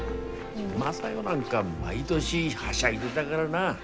雅代なんか毎年はしゃいでだからな。